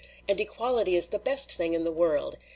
And equality is the best thing in the world.